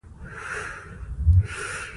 په افغانستان کې جواهرات شتون لري.